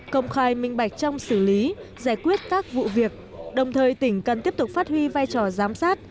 công khai minh bạch trong xử lý giải quyết các vụ việc đồng thời tỉnh cần tiếp tục phát huy vai trò giám sát